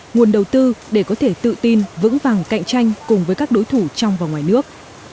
nguồn đầu tư để có thể tự tin vững vàng cạnh tranh cùng với các đối thủ trong và ngoài nước